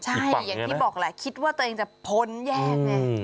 อีกฝั่งไงนะครับใช่อย่างที่บอกแหละคิดว่าตัวเองจะพ้นแยกนี่อืม